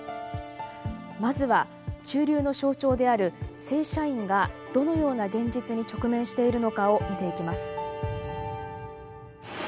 まずは中流の象徴である正社員がどのような現実に直面しているのかを見ていきます。